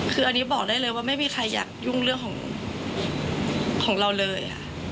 คืออันนี้บอกได้เลยว่าไม่มีใครอยากยุ่งเรื่องของของเราเลย